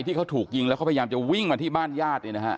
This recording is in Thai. ที่เค้าถูกยิงแล้วก็พยายามจะวิ่งมาที่บ้านญาติ